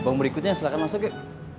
yang berikutnya silahkan masuk jak